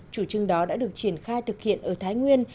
chủ trương đó đã được triển khai thực hiện ở thái nguyên